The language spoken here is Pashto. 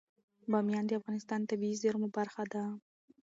بامیان د افغانستان د طبیعي زیرمو برخه ده.